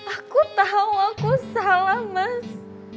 aku tahu aku salah mas